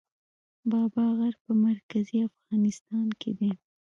بابا غر په مرکزي افغانستان کې دی